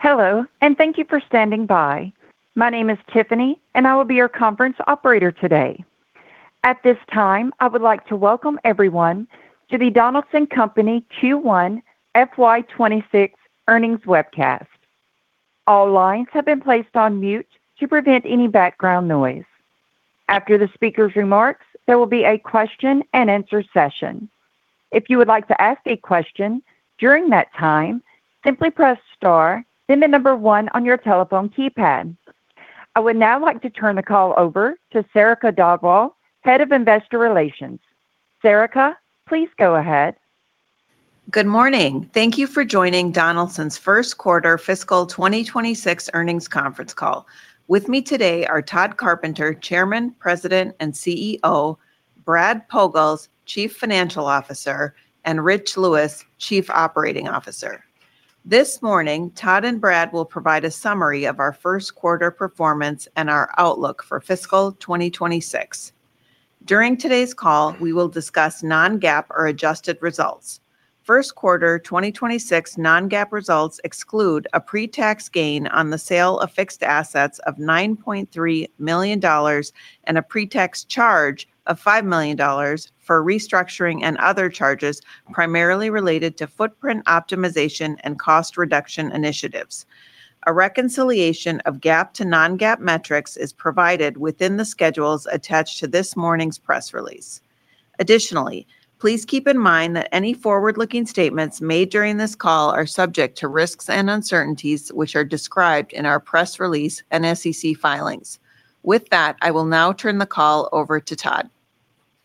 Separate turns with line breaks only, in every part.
Hello, and thank you for standing by. My name is Tiffany, and I will be your conference operator today. At this time, I would like to welcome everyone to the Donaldson Company Q1 FY26 earnings webcast. All lines have been placed on mute to prevent any background noise. After the speaker's remarks, there will be a question-and-answer session. If you would like to ask a question during that time, simply press star, then the number one on your telephone keypad. I would now like to turn the call over to Sarika Dhadwal, Head of Investor Relations. Sarika, please go ahead.
Good morning. Thank you for joining Donaldson's Q1 fiscal 2026 earnings conference call. With me today are Todd Carpenter, Chairman, President, and CEO, Brad Pogalz, Chief Financial Officer, and Rich Lewis, Chief Operating Officer. This morning, Todd and Brad will provide a summary of our Q1 performance and our outlook for fiscal 2026. During today's call, we will discuss non-GAAP or adjusted results. Q1 2026 non-GAAP results exclude a pre-tax gain on the sale of fixed assets of $9.3 million and a pre-tax charge of $5 million for restructuring and other charges primarily related to footprint optimization and cost reduction initiatives. A reconciliation of GAAP to non-GAAP metrics is provided within the schedules attached to this morning's press release. Additionally, please keep in mind that any forward-looking statements made during this call are subject to risks and uncertainties, which are described in our press release and SEC filings. With that, I will now turn the call over to Todd.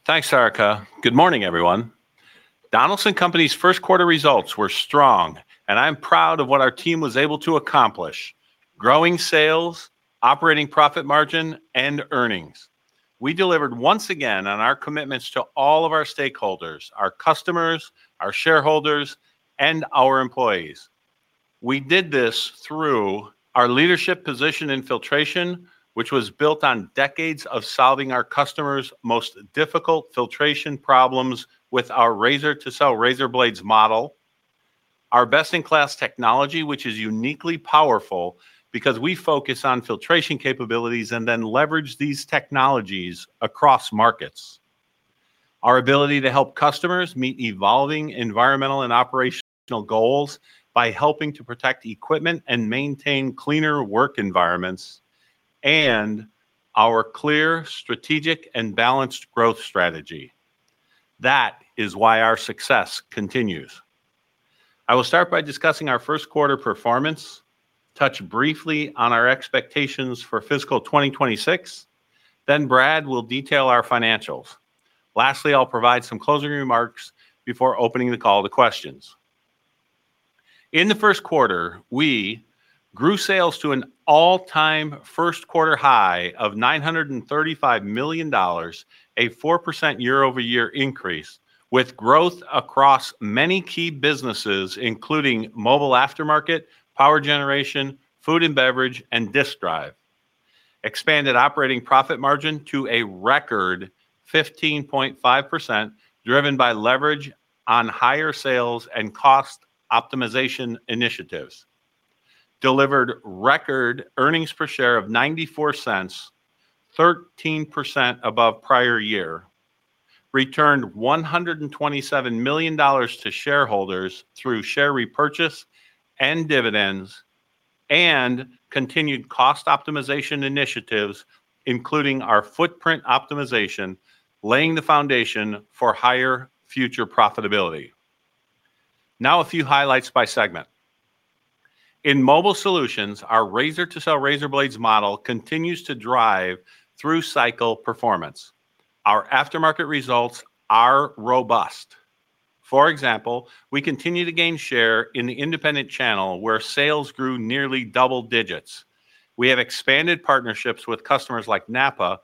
Thanks, Sarika. Good morning, everyone. Donaldson Company's Q1 results were strong, and I'm proud of what our team was able to accomplish: growing sales, operating profit margin, and earnings. We delivered once again on our commitments to all of our stakeholders: our customers, our shareholders, and our employees. We did this through our leadership position in filtration, which was built on decades of solving our customers' most difficult filtration problems with our razor-and-blade razor blades model, our best-in-class technology, which is uniquely powerful because we focus on filtration capabilities and then leverage these technologies across markets, our ability to help customers meet evolving environmental and operational goals by helping to protect equipment and maintain cleaner work environments, and our clear strategic and balanced growth strategy. That is why our success continues. I will start by discussing our Q1 performance, touch briefly on our expectations for fiscal 2026, then Brad will detail our financials. Lastly, I'll provide some closing remarks before opening the call to questions. In the Q1, we grew sales to an all-time Q1 high of $935 million, a 4% year-over-year increase, with growth across many key businesses, including mobile aftermarket, power generation, food and beverage, and disk drive. Expanded operating profit margin to a record 15.5%, driven by leverage on higher sales and cost optimization initiatives. Delivered record earnings per share of $0.94, 13% above prior year. Returned $127 million to shareholders through share repurchase and dividends, and continued cost optimization initiatives, including our footprint optimization, laying the foundation for higher future profitability. Now, a few highlights by segment. In mobile solutions, our razor-and-blade model continues to drive through-cycle performance. Our aftermarket results are robust. For example, we continue to gain share in the independent channel, where sales grew nearly double digits. We have expanded partnerships with customers like NAPA.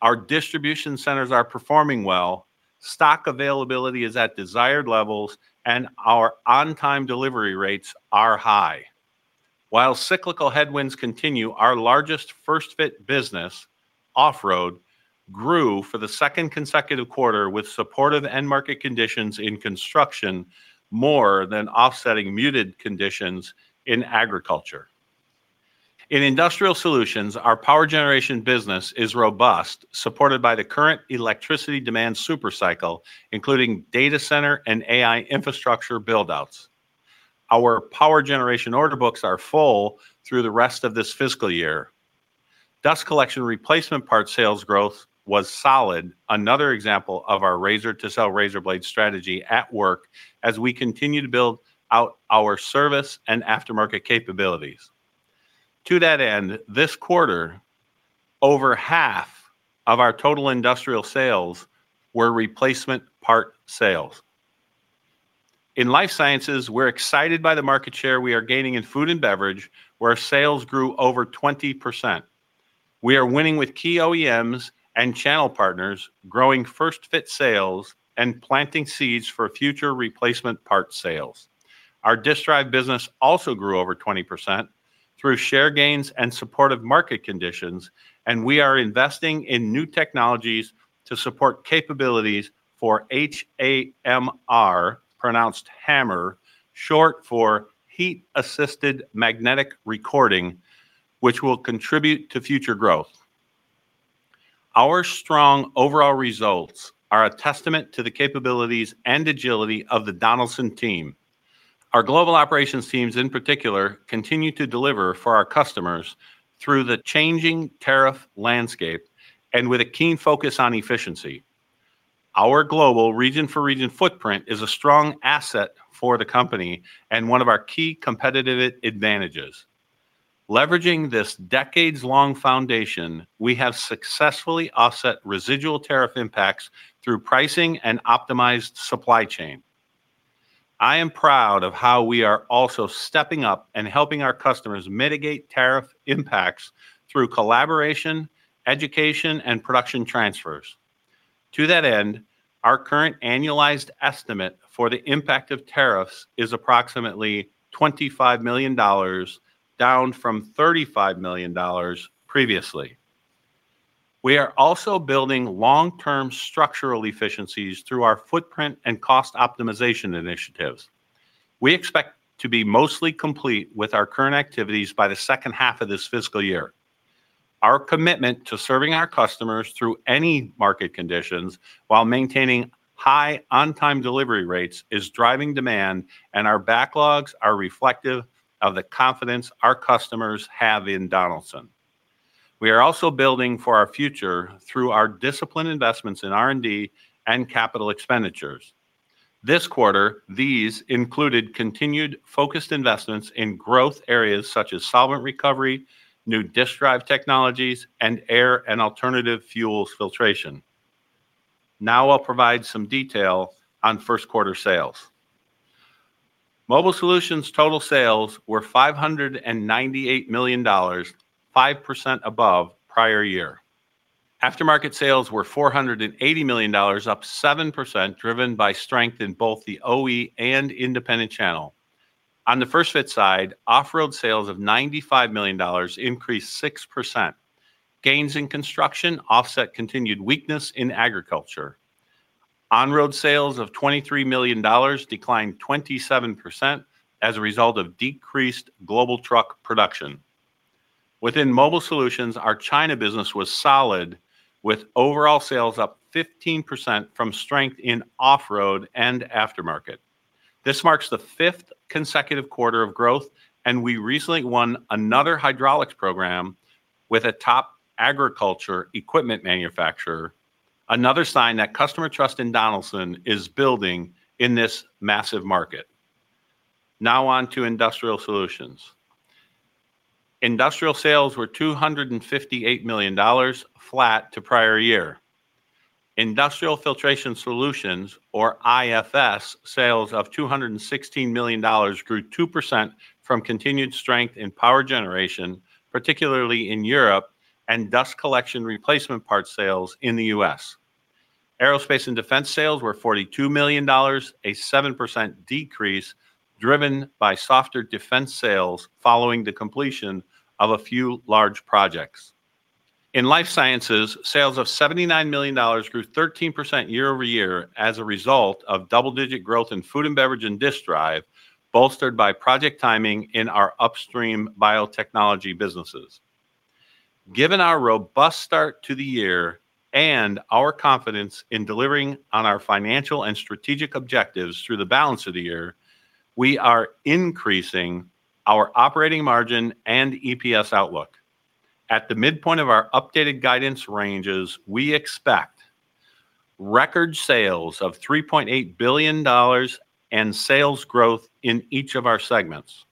Our distribution centers are performing well. Stock availability is at desired levels, and our on-time delivery rates are high. While cyclical headwinds continue, our largest first-fit business, Off-Road, grew for the second consecutive quarter with supportive end market conditions in construction more than offsetting muted conditions in agriculture. In Industrial Solutions, our power generation business is robust, supported by the current electricity demand supercycle, including data center and AI infrastructure buildouts. Our power generation order books are full through the rest of this fiscal year. Dust collection replacement part sales growth was solid, another example of our razor-and-blade strategy at work as we continue to build out our service and aftermarket capabilities. To that end, this quarter, over half of our total industrial sales were replacement part sales. In Life Sciences, we're excited by the market share we are gaining in food and beverage, where sales grew over 20%. We are winning with key OEMs and channel partners, growing first-fit sales and planting seeds for future replacement part sales. Our disk drive business also grew over 20% through share gains and supportive market conditions, and we are investing in new technologies to support capabilities for HAMR, pronounced Hammer, short for heat-assisted magnetic recording, which will contribute to future growth. Our strong overall results are a testament to the capabilities and agility of the Donaldson team. Our global operations teams, in particular, continue to deliver for our customers through the changing tariff landscape and with a keen focus on efficiency. Our global region-for-region footprint is a strong asset for the company and one of our key competitive advantages. Leveraging this decades-long foundation, we have successfully offset residual tariff impacts through pricing and optimized supply chain. I am proud of how we are also stepping up and helping our customers mitigate tariff impacts through collaboration, education, and production transfers. To that end, our current annualized estimate for the impact of tariffs is approximately $25 million, down from $35 million previously. We are also building long-term structural efficiencies through our footprint and cost optimization initiatives. We expect to be mostly complete with our current activities by the second half of this fiscal year. Our commitment to serving our customers through any market conditions while maintaining high on-time delivery rates is driving demand, and our backlogs are reflective of the confidence our customers have in Donaldson. We are also building for our future through our disciplined investments in R&D and capital expenditures. This quarter, these included continued focused investments in growth areas such as solvent recovery, new disk drive technologies, and air and alternative fuels filtration. Now I'll provide some detail on Q1 sales. Mobile Solutions total sales were $598 million, 5% above prior year. Aftermarket sales were $480 million, up 7%, driven by strength in both the OE and independent channel. On the first-fit side, Off-Road sales of $95 million increased 6%. Gains in construction offset continued weakness in agriculture. On-Road sales of $23 million declined 27% as a result of decreased global truck production. Within Mobile Solutions, our China business was solid, with overall sales up 15% from strength in Off-Road and Aftermarket. This marks the fifth consecutive quarter of growth, and we recently won another hydraulics program with a top agriculture equipment manufacturer, another sign that customer trust in Donaldson is building in this massive market. Now on to Industrial Solutions. Industrial sales were $258 million, flat to prior year. Industrial Filtration Solutions, or IFS, sales of $216 million grew 2% from continued strength in power generation, particularly in Europe, and dust collection replacement part sales in the U.S. Aerospace and Defense sales were $42 million, a 7% decrease driven by softer defense sales following the completion of a few large projects. In Life Sciences, sales of $79 million grew 13% year-over-year as a result of double-digit growth in food and beverage and disk drive, bolstered by project timing in our upstream biotechnology businesses. Given our robust start to the year and our confidence in delivering on our financial and strategic objectives through the balance of the year, we are increasing our operating margin and EPS outlook. At the midpoint of our updated guidance ranges, we expect record sales of $3.8 billion and sales growth in each of our segments,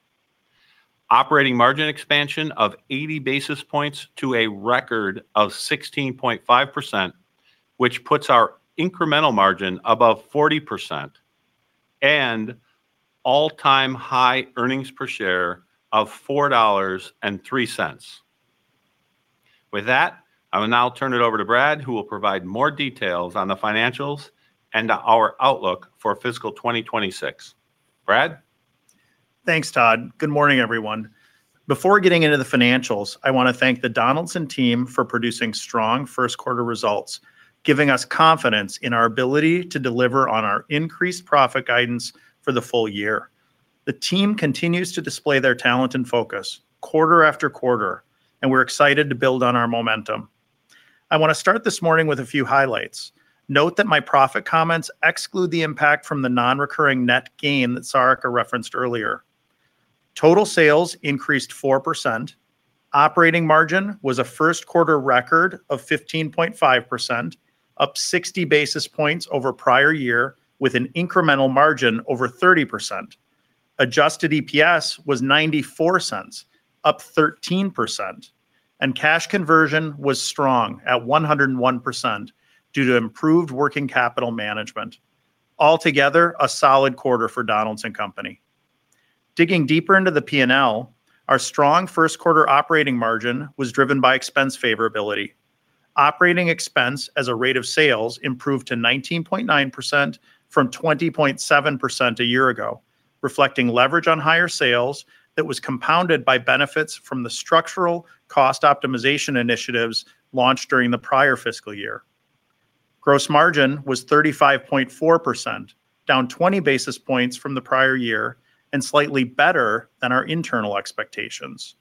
operating margin expansion of 80 basis points to a record of 16.5%, which puts our incremental margin above 40%, and all-time high earnings per share of $4.03. With that, I will now turn it over to Brad, who will provide more details on the financials and our outlook for fiscal 2026. Brad.
Thanks, Todd. Good morning, everyone. Before getting into the financials, I want to thank the Donaldson team for producing strong Q1 results, giving us confidence in our ability to deliver on our increased profit guidance for the full year. The team continues to display their talent and focus quarter after quarter, and we're excited to build on our momentum. I want to start this morning with a few highlights. Note that my profit comments exclude the impact from the non-recurring net gain that Sarika referenced earlier. Total sales increased 4%. Operating margin was a Q1 record of 15.5%, up 60 basis points over prior year, with an incremental margin over 30%. Adjusted EPS was $0.94, up 13%, and cash conversion was strong at 101% due to improved working capital management. Altogether, a solid quarter for Donaldson Company. Digging deeper into the P&L, our strong Q1 operating margin was driven by expense favorability. Operating expense as a rate of sales improved to 19.9% from 20.7% a year ago, reflecting leverage on higher sales that was compounded by benefits from the structural cost optimization initiatives launched during the prior fiscal year. Gross margin was 35.4%, down 20 basis points from the prior year, and slightly better than our internal expectations.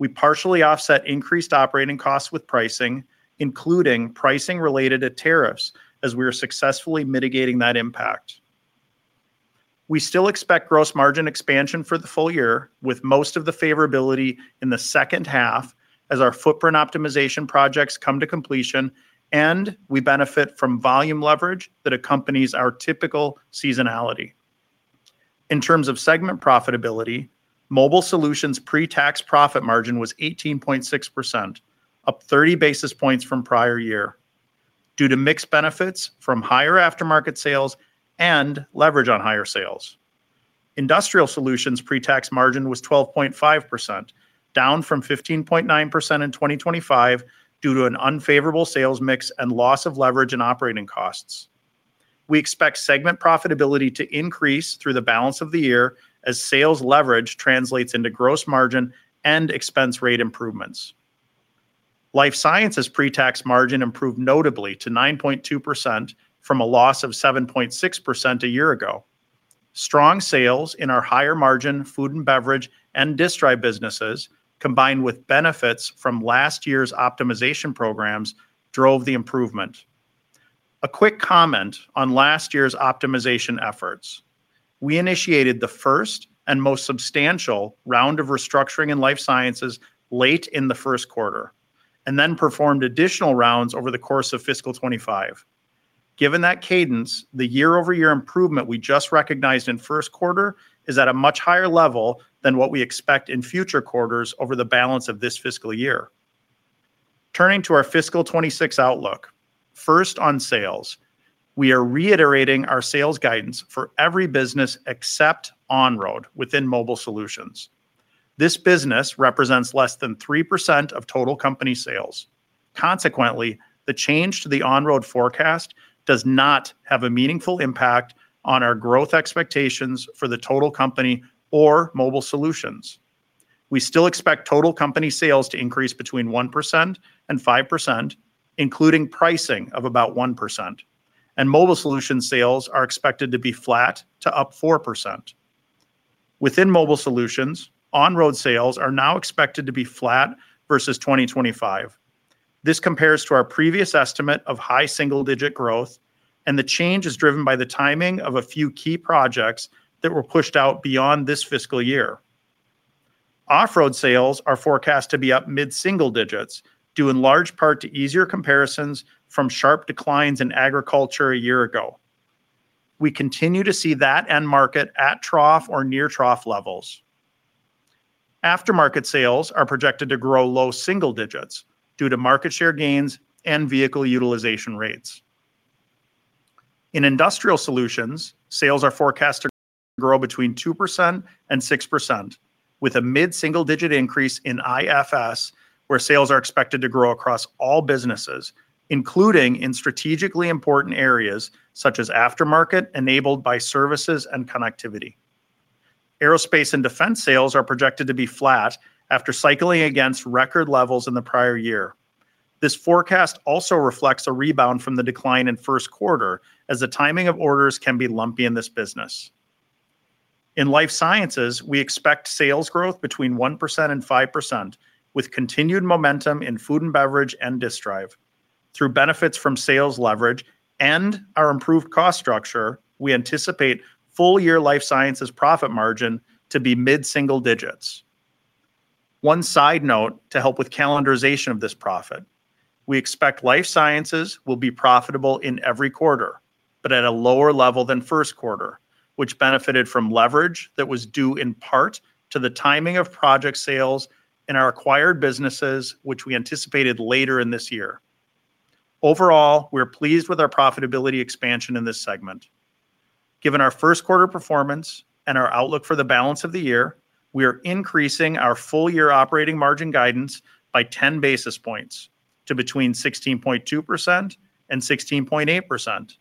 We partially offset increased operating costs with pricing, including pricing related to tariffs, as we are successfully mitigating that impact. We still expect gross margin expansion for the full year, with most of the favorability in the second half as our footprint optimization projects come to completion, and we benefit from volume leverage that accompanies our typical seasonality. In terms of segment profitability, Mobile Solutions' pre-tax profit margin was 18.6%, up 30 basis points from prior year, due to mixed benefits from higher aftermarket sales and leverage on higher sales. Industrial Solutions' pre-tax margin was 12.5%, down from 15.9% in 2025 due to an unfavorable sales mix and loss of leverage and operating costs. We expect segment profitability to increase through the balance of the year as sales leverage translates into gross margin and expense rate improvements. Life Sciences' pre-tax margin improved notably to 9.2% from a loss of 7.6% a year ago. Strong sales in our higher margin food and beverage and disk drive businesses, combined with benefits from last year's optimization programs, drove the improvement. A quick comment on last year's optimization efforts. We initiated the first and most substantial round of restructuring in Life Sciences late in the Q1, and then performed additional rounds over the course of fiscal 2025. Given that cadence, the year-over-year improvement we just recognized in Q1 is at a much higher level than what we expect in future quarters over the balance of this fiscal year. Turning to our fiscal 2026 outlook, first on sales, we are reiterating our sales guidance for every business except On-Road within Mobile Solutions. This business represents less than 3% of total company sales. Consequently, the change to the On-Road forecast does not have a meaningful impact on our growth expectations for the total company or Mobile Solutions. We still expect total company sales to increase between 1% and 5%, including pricing of about 1%. And Mobile Solutions sales are expected to be flat to up 4%. Within Mobile Solutions, On-Road sales are now expected to be flat versus 2025. This compares to our previous estimate of high single-digit growth, and the change is driven by the timing of a few key projects that were pushed out beyond this fiscal year. Off-Road sales are forecast to be up mid-single digits, due in large part to easier comparisons from sharp declines in agriculture a year ago. We continue to see that end market at trough or near trough levels. Aftermarket sales are projected to grow low single digits due to market share gains and vehicle utilization rates. In Industrial Solutions, sales are forecast to grow between 2% and 6%, with a mid-single digit increase in IFS, where sales are expected to grow across all businesses, including in strategically important areas such as aftermarket enabled by services and connectivity. Aerospace and Defense sales are projected to be flat after cycling against record levels in the prior year. This forecast also reflects a rebound from the decline in Q1, as the timing of orders can be lumpy in this business. In Life Sciences, we expect sales growth between 1% and 5%, with continued momentum in food and beverage and disk drive. Through benefits from sales leverage and our improved cost structure, we anticipate full-year Life Sciences profit margin to be mid-single digits. One side note to help with calendarization of this profit: we expect Life Sciences will be profitable in every quarter, but at a lower level than Q1, which benefited from leverage that was due in part to the timing of project sales in our acquired businesses, which we anticipated later in this year. Overall, we're pleased with our profitability expansion in this segment. Given our Q1 performance and our outlook for the balance of the year, we are increasing our full-year operating margin guidance by 10 basis points to between 16.2% and 16.8%.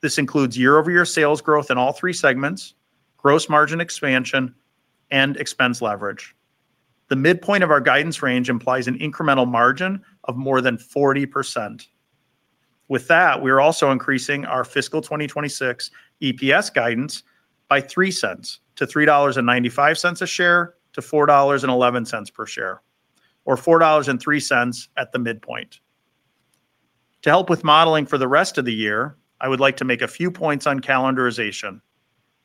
This includes year-over-year sales growth in all three segments, gross margin expansion, and expense leverage. The midpoint of our guidance range implies an incremental margin of more than 40%. With that, we are also increasing our fiscal 2026 EPS guidance by $0.03 to $3.95-$4.11 per share, or $4.03 at the midpoint. To help with modeling for the rest of the year, I would like to make a few points on calendarization.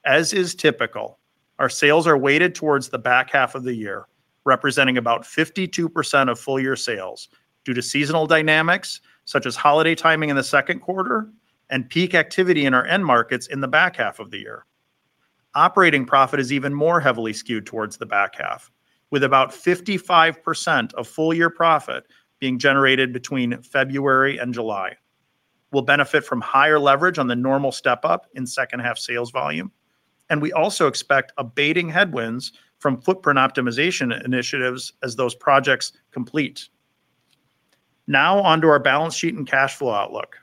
As is typical, our sales are weighted towards the back half of the year, representing about 52% of full-year sales due to seasonal dynamics such as holiday timing in the Q2 and peak activity in our end markets in the back half of the year. Operating profit is even more heavily skewed towards the back half, with about 55% of full-year profit being generated between February and July. We'll benefit from higher leverage on the normal step-up in second-half sales volume, and we also expect abating headwinds from footprint optimization initiatives as those projects complete. Now onto our balance sheet and cash flow outlook.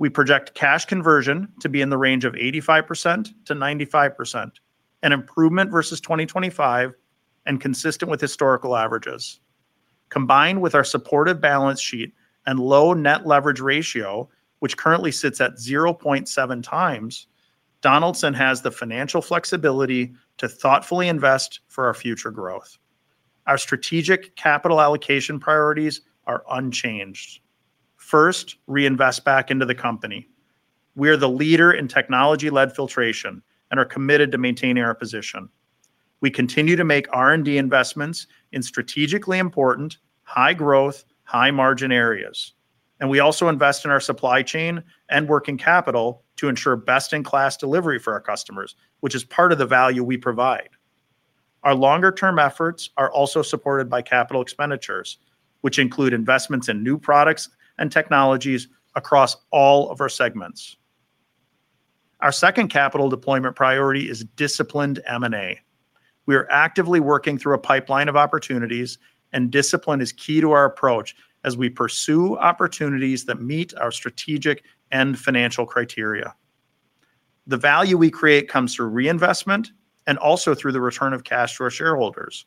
We project cash conversion to be in the range of 85%-95%, an improvement versus 2025 and consistent with historical averages. Combined with our supportive balance sheet and low net leverage ratio, which currently sits at 0.7 times, Donaldson has the financial flexibility to thoughtfully invest for our future growth. Our strategic capital allocation priorities are unchanged. First, reinvest back into the company. We are the leader in technology-led filtration and are committed to maintaining our position. We continue to make R&D investments in strategically important, high-growth, high-margin areas. And we also invest in our supply chain and working capital to ensure best-in-class delivery for our customers, which is part of the value we provide. Our longer-term efforts are also supported by capital expenditures, which include investments in new products and technologies across all of our segments. Our second capital deployment priority is disciplined M&A. We are actively working through a pipeline of opportunities, and discipline is key to our approach as we pursue opportunities that meet our strategic and financial criteria. The value we create comes through reinvestment and also through the return of cash to our shareholders.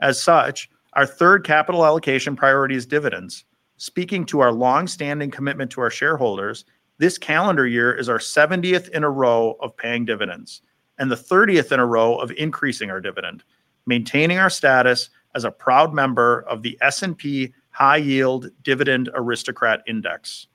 As such, our third capital allocation priority is dividends. Speaking to our long-standing commitment to our shareholders, this calendar year is our 70th in a row of paying dividends and the 30th in a row of increasing our dividend, maintaining our status as a proud member of the S&P High Yield Dividend Aristocrat Index.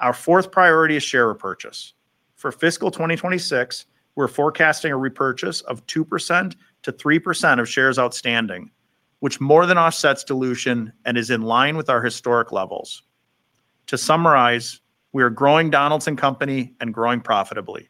Our fourth priority is share repurchase. For fiscal 2026, we're forecasting a repurchase of 2%-3% of shares outstanding, which more than offsets dilution and is in line with our historic levels. To summarize, we are growing Donaldson Company and growing profitably.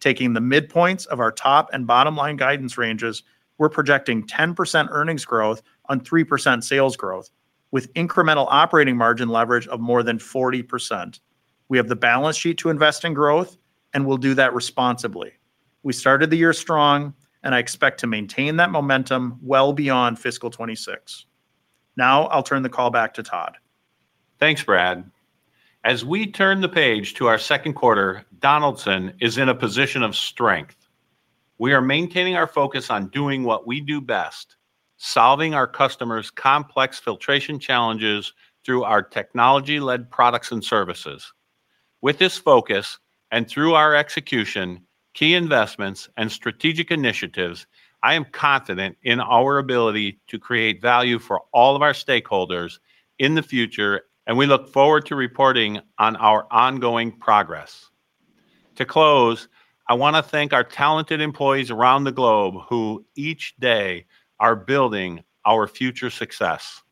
Taking the midpoints of our top and bottom line guidance ranges, we're projecting 10% earnings growth on 3% sales growth, with incremental operating margin leverage of more than 40%. We have the balance sheet to invest in growth, and we'll do that responsibly. We started the year strong, and I expect to maintain that momentum well beyond fiscal 2026. Now I'll turn the call back to Todd.
Thanks, Brad. As we turn the page to our Q2, Donaldson is in a position of strength. We are maintaining our focus on doing what we do best, solving our customers' complex filtration challenges through our technology-led products and services. With this focus and through our execution, key investments, and strategic initiatives, I am confident in our ability to create value for all of our stakeholders in the future, and we look forward to reporting on our ongoing progress. To close, I want to thank our talented employees around the globe who each day are building our future success.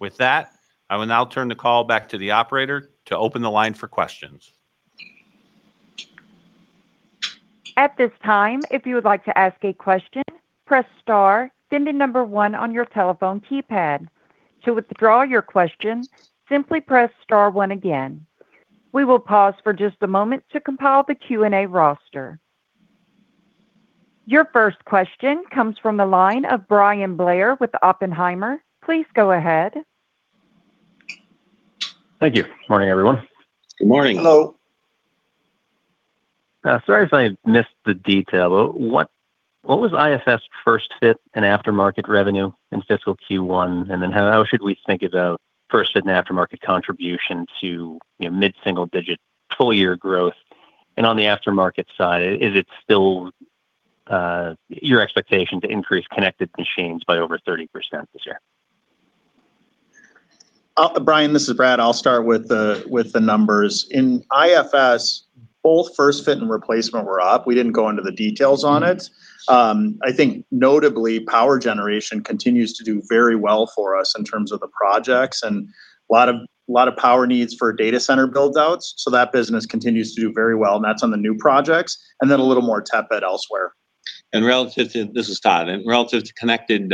With that, I will now turn the call back to the operator to open the line for questions.
At this time, if you would like to ask a question, press star, then the number one on your telephone keypad. To withdraw your question, simply press star one again. We will pause for just a moment to compile the Q&A roster. Your first question comes from the line of Brian Blair with Oppenheimer. Please go ahead.
Thank you. Morning, everyone.
Good morning.
Hello.
Sorry if I missed the detail, but what was IFS' first-fit in aftermarket revenue in fiscal Q1? And then how should we think about first-fit in aftermarket contribution to mid-single-digit full-year growth? And on the aftermarket side, is it still your expectation to increase connected machines by over 30% this year?
Brian, this is Brad. I'll start with the numbers. In IFS, both first-fit and replacement were up. We didn't go into the details on it. I think notably, power generation continues to do very well for us in terms of the projects and a lot of power needs for data center buildouts. So that business continues to do very well, and that's on the new projects, and then a little more tepid elsewhere.
This is Todd. Relative to connected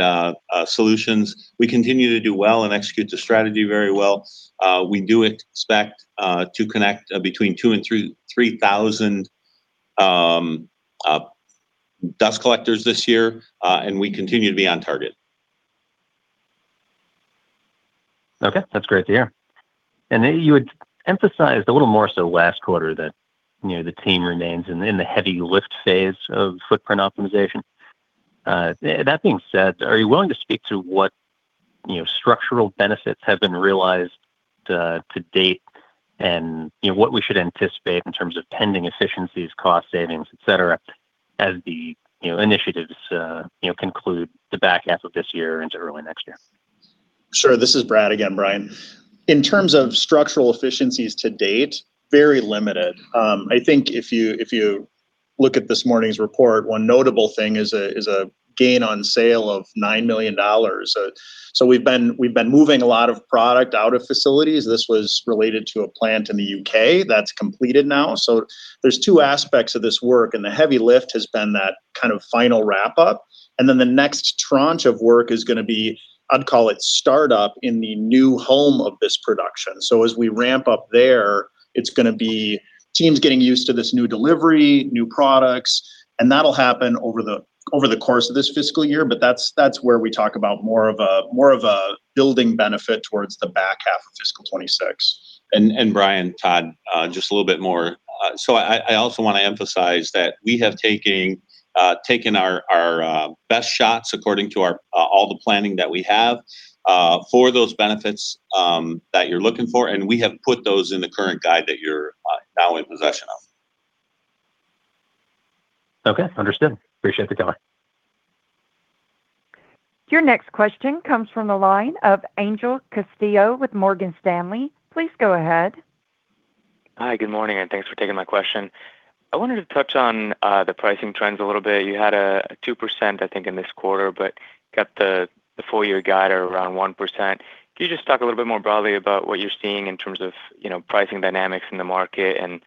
solutions, we continue to do well and execute the strategy very well. We do expect to connect between two and three thousand dust collectors this year, and we continue to be on target.
Okay. That's great to hear. And you had emphasized a little more so last quarter that the team remains in the heavy lift phase of footprint optimization. That being said, are you willing to speak to what structural benefits have been realized to date and what we should anticipate in terms of pending efficiencies, cost savings, etc., as the initiatives conclude the back half of this year into early next year?
Sure. This is Brad again, Brian. In terms of structural efficiencies to date, very limited. I think if you look at this morning's report, one notable thing is a gain on sale of $9 million. So we've been moving a lot of product out of facilities. This was related to a plant in the UK that's completed now. So there's two aspects of this work, and the heavy lift has been that kind of final wrap-up. And then the next tranche of work is going to be, I'd call it startup, in the new home of this production. So as we ramp up there, it's going to be teams getting used to this new delivery, new products, and that'll happen over the course of this fiscal year, but that's where we talk about more of a building benefit towards the back half of fiscal 2026.
Brian, Todd, just a little bit more. I also want to emphasize that we have taken our best shots according to all the planning that we have for those benefits that you're looking for, and we have put those in the current guide that you're now in possession of.
Okay. Understood. Appreciate the comment.
Your next question comes from the line of Angel Castillo with Morgan Stanley. Please go ahead.
Hi. Good morning, and thanks for taking my question. I wanted to touch on the pricing trends a little bit. You had a 2%, I think, in this quarter, but got the full-year guide at around 1%. Can you just talk a little bit more broadly about what you're seeing in terms of pricing dynamics in the market and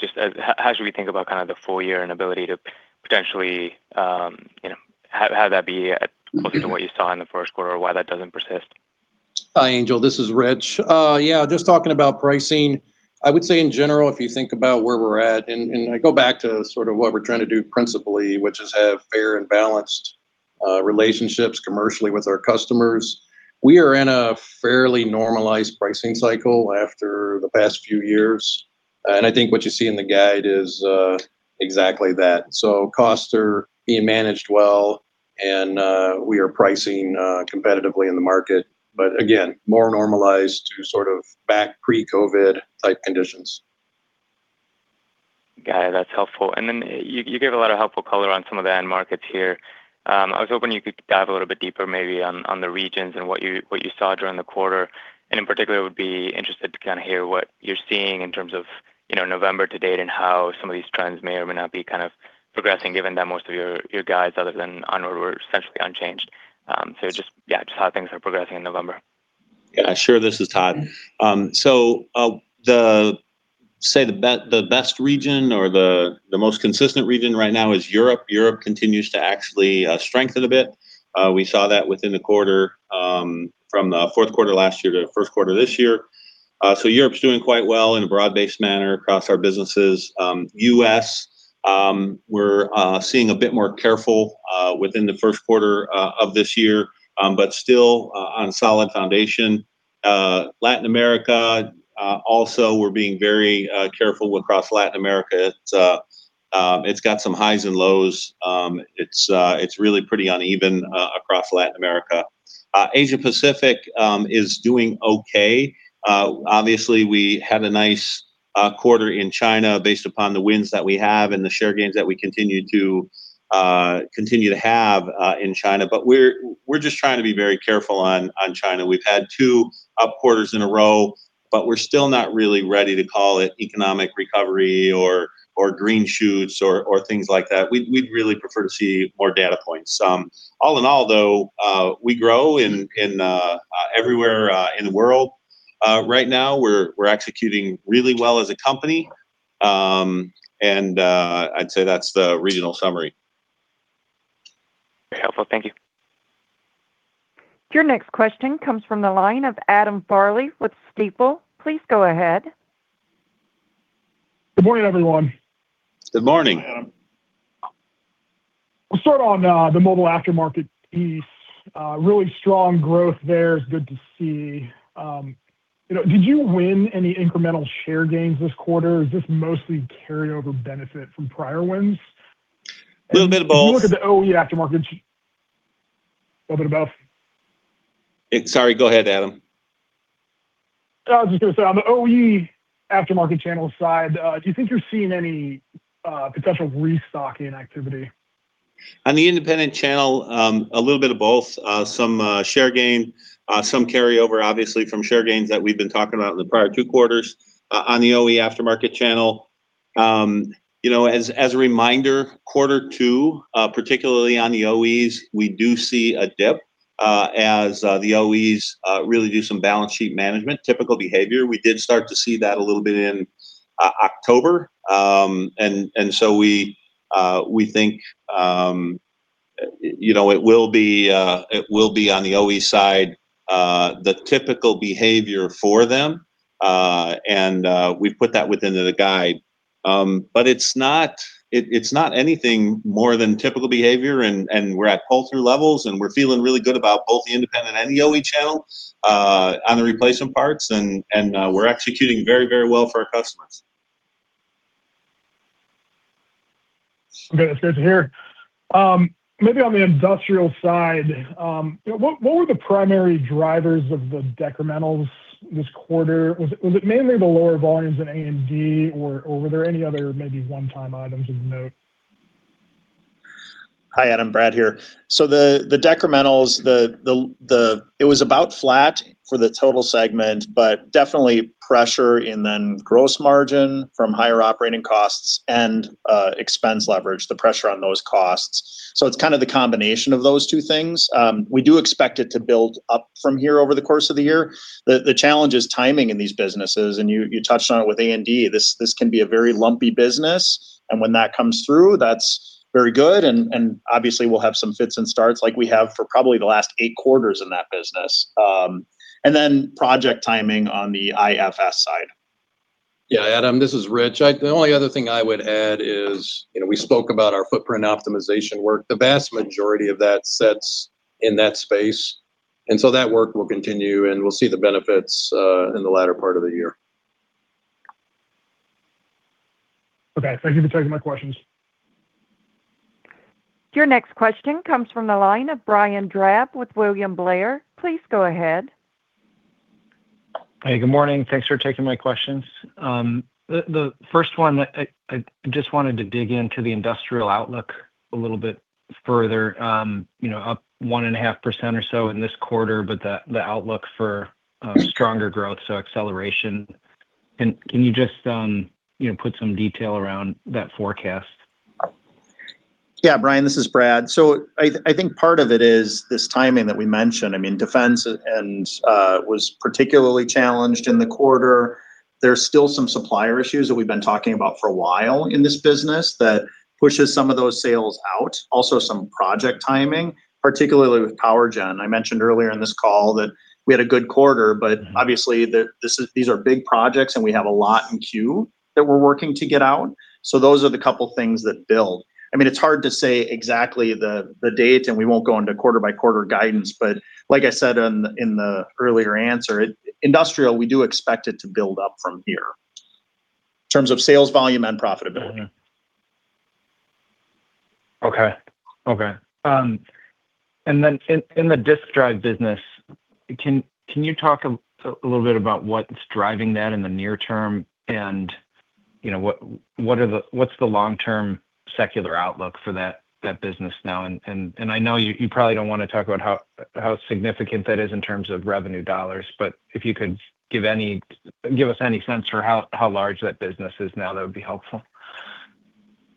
just how should we think about kind of the full-year and ability to potentially have that be closer to what you saw in the Q1 or why that doesn't persist?
Hi, Angel. This is Rich. Yeah, just talking about pricing, I would say in general, if you think about where we're at, and I go back to sort of what we're trying to do principally, which is have fair and balanced relationships commercially with our customers. We are in a fairly normalized pricing cycle after the past few years, and I think what you see in the guide is exactly that. So costs are being managed well, and we are pricing competitively in the market, but again, more normalized to sort of back pre-COVID-type conditions.
Got it. That's helpful, and then you gave a lot of helpful color on some of the end markets here. I was hoping you could dive a little bit deeper maybe on the regions and what you saw during the quarter, and in particular, I would be interested to kind of hear what you're seeing in terms of November to date and how some of these trends may or may not be kind of progressing, given that most of your guides, other than on-road, were essentially unchanged, so yeah, just how things are progressing in November.
Yeah. Sure. This is Todd. So, say, the best region or the most consistent region right now is Europe. Europe continues to actually strengthen a bit. We saw that within the quarter from the Q4 last year to the Q1 this year. So Europe's doing quite well in a broad-based manner across our businesses. US, we're seeing a bit more careful within the Q1 of this year, but still on a solid foundation. Latin America also, we're being very careful across Latin America. It's got some highs and lows. It's really pretty uneven across Latin America. Asia-Pacific is doing okay. Obviously, we had a nice quarter in China based upon the wins that we have and the share gains that we continue to have in China. But we're just trying to be very careful on China. We've had two up quarters in a row, but we're still not really ready to call it economic recovery or green shoots or things like that. We'd really prefer to see more data points. All in all, though, we grow everywhere in the world. Right now, we're executing really well as a company, and I'd say that's the regional summary.
Very helpful. Thank you.
Your next question comes from the line of Adam Farley with Stifel. Please go ahead.
Good morning, everyone.
Good morning.
Hi, Adam. We'll start on the mobile aftermarket piece. Really strong growth there. It's good to see. Did you win any incremental share gains this quarter? Is this mostly carryover benefit from prior wins?
A little bit of both.
If you look at the OE aftermarket, a little bit of both.
Sorry. Go ahead, Adam.
I was just going to say, on the OE aftermarket channel side, do you think you're seeing any potential restocking activity?
On the independent channel, a little bit of both. Some share gain, some carryover, obviously, from share gains that we've been talking about in the prior two quarters. On the OE aftermarket channel, as a reminder, quarter two, particularly on the OEs, we do see a dip as the OEs really do some balance sheet management, typical behavior. We did start to see that a little bit in October. And so we think it will be on the OE side, the typical behavior for them, and we put that within the guide. But it's not anything more than typical behavior, and we're at pull-through levels, and we're feeling really good about both the independent and the OE channel on the replacement parts, and we're executing very, very well for our customers.
Okay. That's good to hear. Maybe on the industrial side, what were the primary drivers of the decrementals this quarter? Was it mainly the lower volumes in A&D, or were there any other maybe one-time items of note?
Hi, Adam. Brad here. So the decrementals, it was about flat for the total segment, but definitely pressure in the gross margin from higher operating costs and expense leverage, the pressure on those costs. So it's kind of the combination of those two things. We do expect it to build up from here over the course of the year. The challenge is timing in these businesses, and you touched on it with A&D. This can be a very lumpy business, and when that comes through, that's very good, and obviously, we'll have some fits and starts like we have for probably the last eight quarters in that business. And then project timing on the IFS side.
Yeah. Adam, this is Rich. The only other thing I would add is we spoke about our footprint optimization work. The vast majority of that sits in that space. And so that work will continue, and we'll see the benefits in the latter part of the year.
Okay. Thank you for taking my questions.
Your next question comes from the line of Brian Drab with William Blair. Please go ahead.
Hey. Good morning. Thanks for taking my questions. The first one, I just wanted to dig into the industrial outlook a little bit further, up 1.5% or so in this quarter, but the outlook for stronger growth, so acceleration. Can you just put some detail around that forecast?
Yeah. Brian, this is Brad. So I think part of it is this timing that we mentioned. I mean, defense was particularly challenged in the quarter. There's still some supplier issues that we've been talking about for a while in this business that pushes some of those sales out, also some project timing, particularly with PowerGen. I mentioned earlier in this call that we had a good quarter, but obviously, these are big projects, and we have a lot in queue that we're working to get out. So those are the couple of things that build. I mean, it's hard to say exactly the date, and we won't go into quarter-by-quarter guidance, but like I said in the earlier answer, industrial, we do expect it to build up from here in terms of sales volume and profitability.
Okay. Okay. And then in the disk drive business, can you talk a little bit about what's driving that in the near term and what's the long-term secular outlook for that business now? And I know you probably don't want to talk about how significant that is in terms of revenue dollars, but if you could give us any sense for how large that business is now, that would be helpful.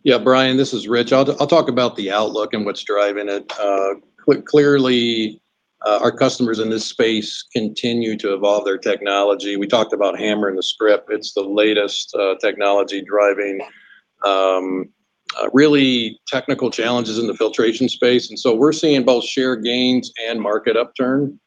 Yeah. Brian, this is Rich. I'll talk about the outlook and what's driving it. Clearly, our customers in this space continue to evolve their technology. We talked about HAMR in the script. It's the latest technology driving really technical challenges in the filtration space, and so we're seeing both share gains and market upturn.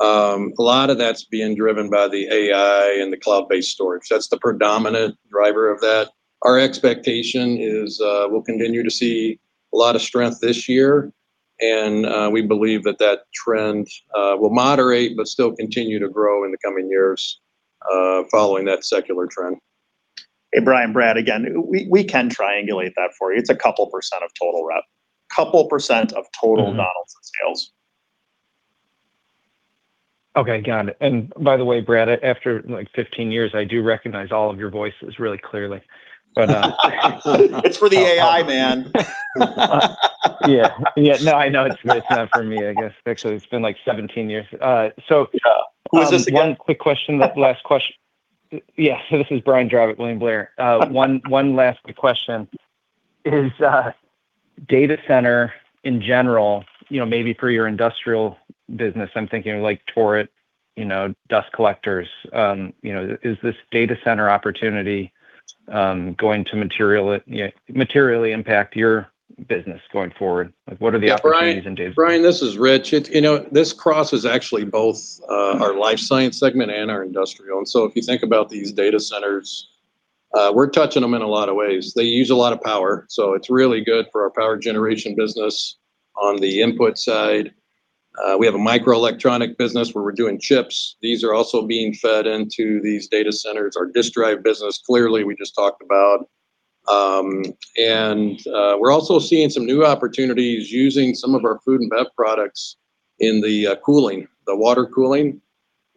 A lot of that's being driven by the AI and the cloud-based storage. That's the predominant driver of that. Our expectation is we'll continue to see a lot of strength this year, and we believe that that trend will moderate but still continue to grow in the coming years following that secular trend.
Hey, Brian, Brad, again, we can triangulate that for you. It's a couple % of total rep, a couple % of total Donaldson sales.
Okay. Got it. And by the way, Brad, after 15 years, I do recognize all of your voices really clearly, but.
It's for the AI, man.
Yeah. Yeah. No, I know it's not for me, I guess. Actually, it's been like 17 years. So one quick question, last question. Yeah. So this is Brian Drab, William Blair. One last quick question is data center in general, maybe for your industrial business. I'm thinking of like Torit dust collectors. Is this data center opportunity going to materially impact your business going forward? What are the opportunities in data center?
Yeah. Brian, this is Rich. This crosses actually both our life science segment and our industrial. And so if you think about these data centers, we're touching them in a lot of ways. They use a lot of power. So it's really good for our power generation business on the input side. We have a microelectronic business where we're doing chips. These are also being fed into these data centers, our disk drive business, clearly we just talked about. And we're also seeing some new opportunities using some of our food and bev products in the cooling, the water cooling.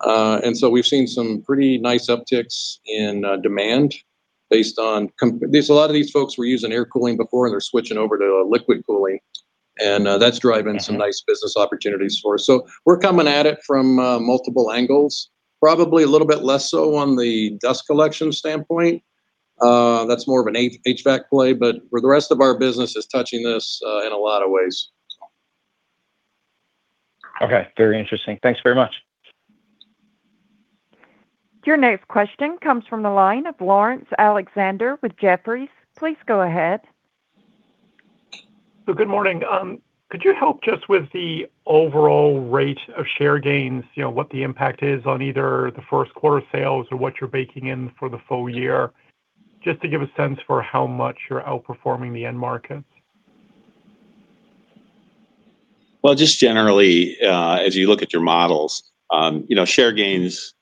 And so we've seen some pretty nice upticks in demand based on a lot of these folks were using air cooling before, and they're switching over to liquid cooling. And that's driving some nice business opportunities for us.
So we're coming at it from multiple angles, probably a little bit less so on the dust collection standpoint. That's more of an HVAC play, but the rest of our business is touching this in a lot of ways.
Okay. Very interesting. Thanks very much.
Your next question comes from the line of Laurence Alexander with Jefferies. Please go ahead.
So good morning. Could you help just with the overall rate of share gains, what the impact is on either the Q1 sales or what you're baking in for the full year, just to give a sense for how much you're outperforming the end markets?
Just generally, as you look at your models, share gains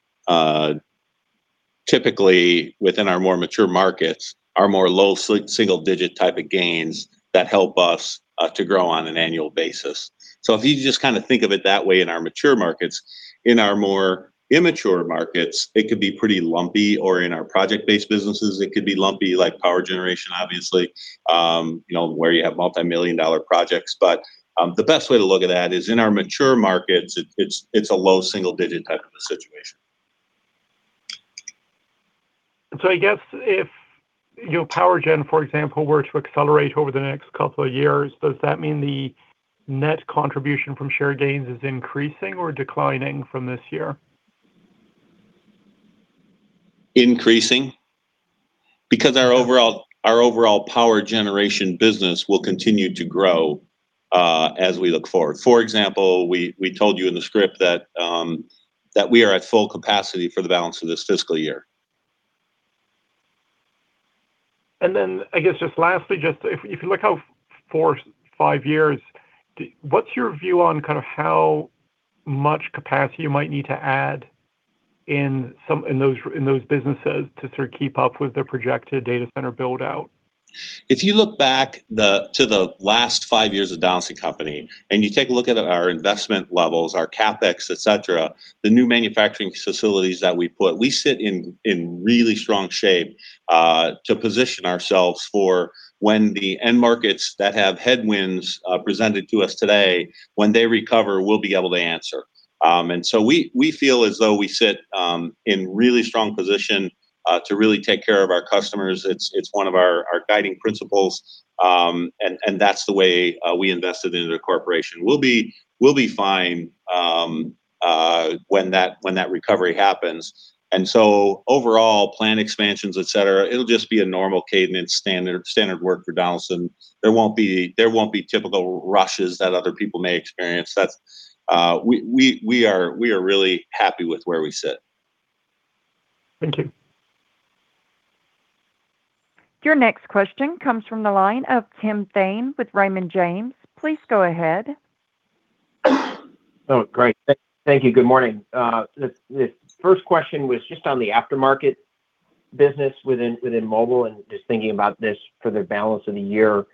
typically within our more mature markets are more low single-digit type of gains that help us to grow on an annual basis. If you just kind of think of it that way in our mature markets, in our more immature markets, it could be pretty lumpy, or in our project-based businesses, it could be lumpy like power generation, obviously, where you have multi-million-dollar projects. The best way to look at that is in our mature markets, it's a low single-digit type of a situation.
So I guess if PowerGen, for example, were to accelerate over the next couple of years, does that mean the net contribution from share gains is increasing or declining from this year?
Increasing because our overall power generation business will continue to grow as we look forward. For example, we told you in the script that we are at full capacity for the balance of this fiscal year.
And then I guess just lastly, just if you look out four, five years, what's your view on kind of how much capacity you might need to add in those businesses to sort of keep up with the projected data center build-out?
If you look back to the last five years of Donaldson Company and you take a look at our investment levels, our CapEx, etc., the new manufacturing facilities that we put, we sit in really strong shape to position ourselves for when the end markets that have headwinds presented to us today, when they recover, we'll be able to answer. And so we feel as though we sit in really strong position to really take care of our customers. It's one of our guiding principles, and that's the way we invested into the corporation. We'll be fine when that recovery happens. And so overall, plan expansions, etc., it'll just be a normal cadence, standard work for Donaldson. There won't be typical rushes that other people may experience. We are really happy with where we sit.
Thank you.
Your next question comes from the line of Tim Thein with Raymond James. Please go ahead.
Oh, great. Thank you. Good morning. The first question was just on the aftermarket business within mobile and just thinking about this for the balance of the year.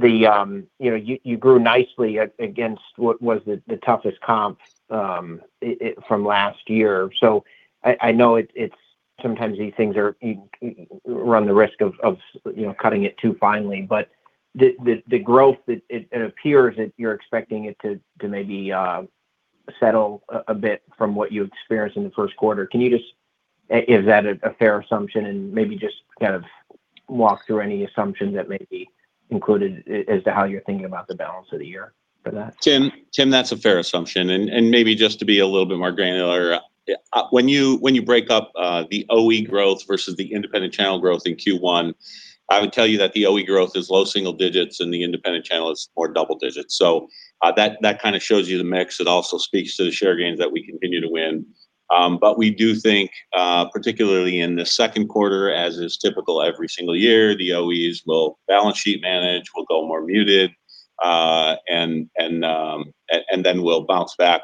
You grew nicely against what was the toughest comp from last year. So I know sometimes these things run the risk of cutting it too finely, but the growth, it appears that you're expecting it to maybe settle a bit from what you experienced in the Q1. Can you just, is that a fair assumption? And maybe just kind of walk through any assumptions that may be included as to how you're thinking about the balance of the year for that?
Tim, that's a fair assumption, and maybe just to be a little bit more granular, when you break up the OE growth versus the independent channel growth in Q1, I would tell you that the OE growth is low single digits and the independent channel is more double digits. So that kind of shows you the mix. It also speaks to the share gains that we continue to win, but we do think, particularly in the Q2, as is typical every single year, the OEs will balance sheet manage, will go more muted, and then we'll bounce back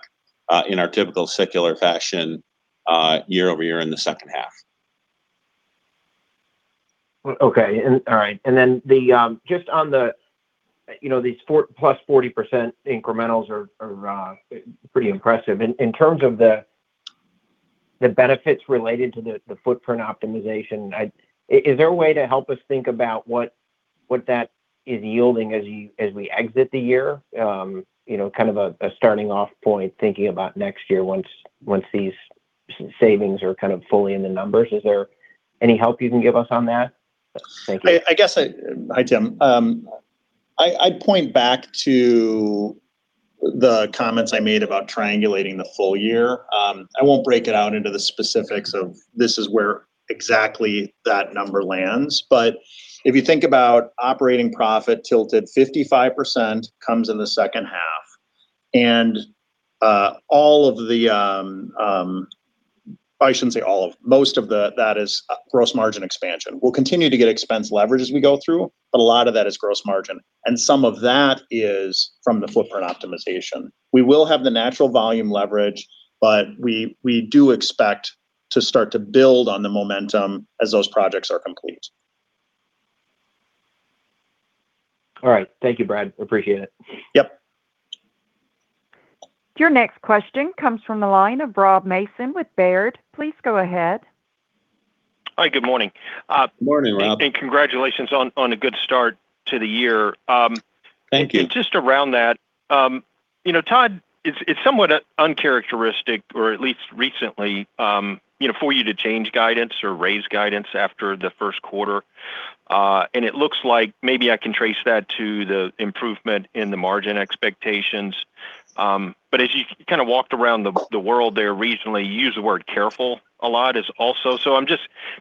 in our typical secular fashion year over year in the second half.
Okay. All right. And then just on these plus 40% incrementals are pretty impressive. In terms of the benefits related to the footprint optimization, is there a way to help us think about what that is yielding as we exit the year, kind of a starting off point, thinking about next year once these savings are kind of fully in the numbers? Is there any help you can give us on that? Thank you.
I guess, hi Tim. I'd point back to the comments I made about triangulating the full year. I won't break it out into the specifics of this is where exactly that number lands. But if you think about operating profit tilted, 55% comes in the second half. And all of the. I shouldn't say all of it. Most of that is gross margin expansion. We'll continue to get expense leverage as we go through, but a lot of that is gross margin. And some of that is from the footprint optimization. We will have the natural volume leverage, but we do expect to start to build on the momentum as those projects are complete.
All right. Thank you, Brad. Appreciate it.
Yep.
Your next question comes from the line of Rob Mason with Baird. Please go ahead.
Hi. Good morning.
Good morning, Rob.
Congratulations on a good start to the year.
Thank you.
And just around that, Todd, it's somewhat uncharacteristic, or at least recently, for you to change guidance or raise guidance after the Q1. And it looks like maybe I can trace that to the improvement in the margin expectations. But as you kind of walked around the world there regionally, you use the word careful a lot also. So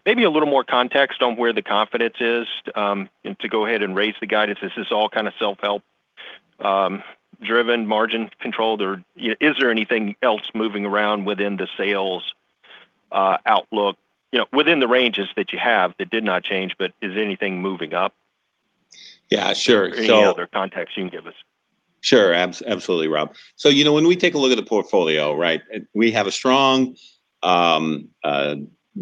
maybe a little more context on where the confidence is to go ahead and raise the guidance. Is this all kind of self-help-driven, margin controlled? Or is there anything else moving around within the sales outlook, within the ranges that you have that did not change, but is anything moving up?
Yeah. Sure. So.
Any other context you can give us?
Sure. Absolutely, Rob. So when we take a look at the portfolio, right, we have a strong,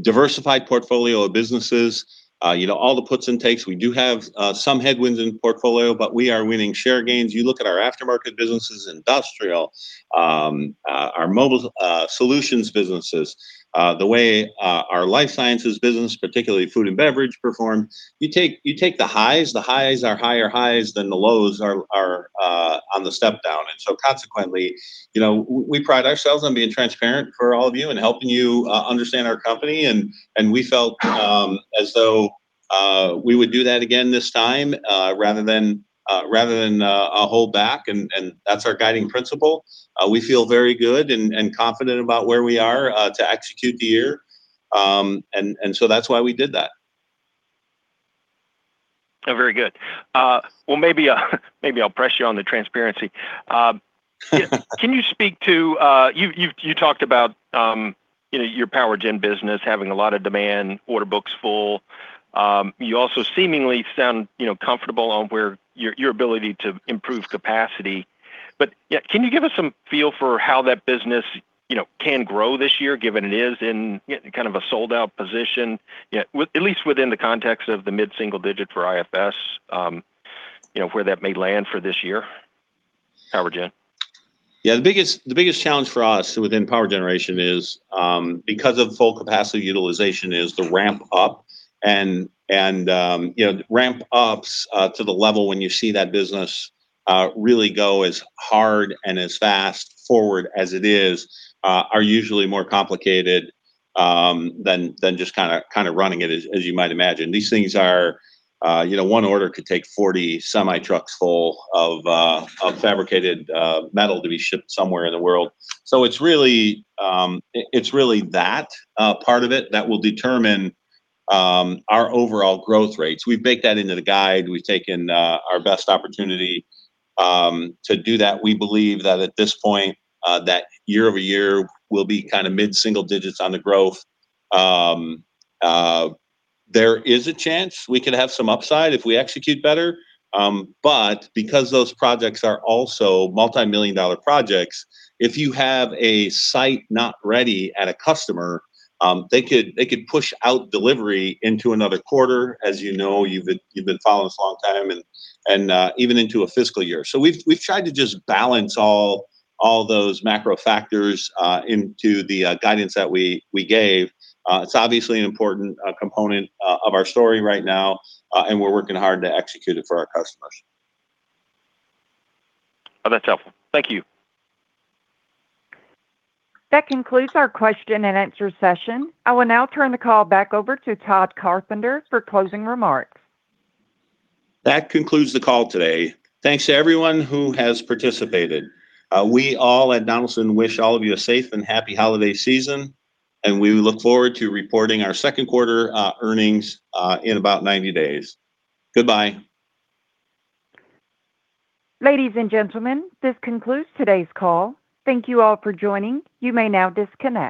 diversified portfolio of businesses, all the puts and takes. We do have some headwinds in the portfolio, but we are winning share gains. You look at our aftermarket businesses, industrial, our mobile solutions businesses, the way our life sciences business, particularly food and beverage, performed, you take the highs. The highs are higher highs than the lows are on the step down. And so consequently, we pride ourselves on being transparent for all of you and helping you understand our company. And we felt as though we would do that again this time rather than a holdback. And that's our guiding principle. We feel very good and confident about where we are to execute the year. And so that's why we did that.
Very good. Well, maybe I'll press you on the transparency. Can you speak to, you talked about your PowerGen business having a lot of demand, order books full. You also seemingly sound comfortable on your ability to improve capacity. But can you give us some feel for how that business can grow this year, given it is in kind of a sold-out position, at least within the context of the mid-single digit for IFS, where that may land for this year, PowerGen?
Yeah. The biggest challenge for us within power generation is because of full capacity utilization is the ramp-up, and ramp-ups to the level when you see that business really go as hard and as fast forward as it is are usually more complicated than just kind of running it, as you might imagine. These things are. One order could take 40 semi-trucks full of fabricated metal to be shipped somewhere in the world. So it's really that part of it that will determine our overall growth rates. We've baked that into the guide. We've taken our best opportunity to do that. We believe that at this point, that year over year will be kind of mid-single digits on the growth. There is a chance we could have some upside if we execute better. But because those projects are also multi-million dollar projects, if you have a site not ready at a customer, they could push out delivery into another quarter, as you know. You've been following us a long time, and even into a fiscal year. So we've tried to just balance all those macro factors into the guidance that we gave. It's obviously an important component of our story right now, and we're working hard to execute it for our customers.
Oh, that's helpful. Thank you.
That concludes our question and answer session. I will now turn the call back over to Todd Carpenter for closing remarks.
That concludes the call today. Thanks to everyone who has participated. We all at Donaldson wish all of you a safe and happy holiday season, and we look forward to reporting our Q2 earnings in about 90 days. Goodbye.
Ladies and gentlemen, this concludes today's call. Thank you all for joining. You may now disconnect.